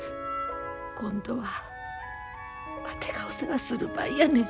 今度はわてがお世話する番やねん。